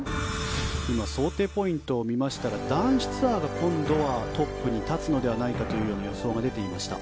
今、想定ポイントを見ましたら男子ツアーが今度はトップに立つのではないかというような予想が出ていました。